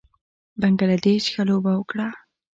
بنګله دېش ښه لوبه وکړه